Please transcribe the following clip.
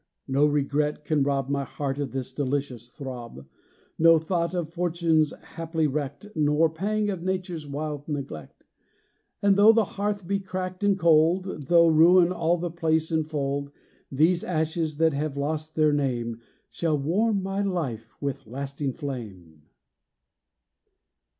No regret can rob My heart of this delicious throb; No thought of fortunes haply wrecked, Nor pang for nature's wild neglect. And, though the hearth be cracked and cold, Though ruin all the place enfold, These ashes that have lost their name Shall warm my life with lasting flame!